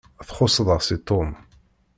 Txuṣṣeḍ-as i Tom.